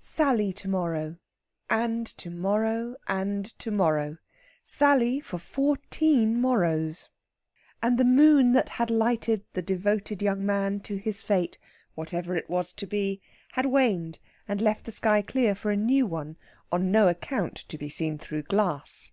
Sally to morrow and to morrow and to morrow. Sally for fourteen morrows. And the moon that had lighted the devoted young man to his fate whatever it was to be had waned and left the sky clear for a new one, on no account to be seen through glass.